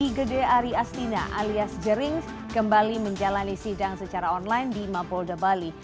igede ari astina alias jerings kembali menjalani sidang secara online di mapolda bali